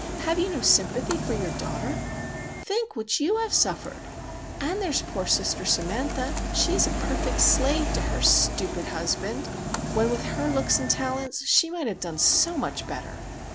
Have you no sympathy for your daughter? Think what you have suffered! And there is poor Sister Samantha! She is a perfect slave to her stupid husband, when with her looks and talents she might have done so much better!"